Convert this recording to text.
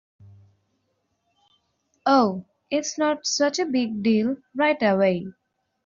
Oh, it’s not such a big deal right away.